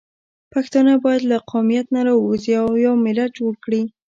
پښتانه باید له قومیت نه راووځي او یو ملت جوړ کړي